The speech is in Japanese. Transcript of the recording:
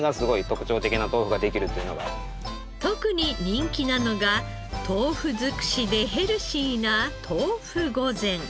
特に人気なのが豆腐尽くしでヘルシーな「豆腐御膳」。